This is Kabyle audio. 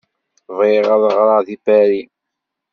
Bɣiɣ ad ɣreɣ deg Paris!